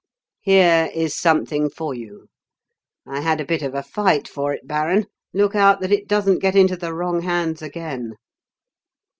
Here is something for you. I had a bit of a fight for it, baron look out that it doesn't get into the wrong hands again."